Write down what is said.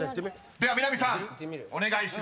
［では南さんお願いします］